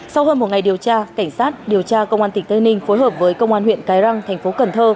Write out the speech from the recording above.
sau hơn một ngày điều tra cảnh sát điều tra công an tỉnh tây ninh phối hợp với công an huyện cái răng tp hcm